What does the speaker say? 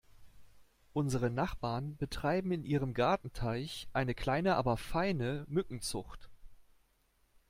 Unsere Nachbarn betreiben in ihrem Gartenteich eine kleine aber feine Mückenzucht.